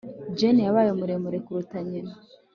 jane yabaye muremure kuruta nyina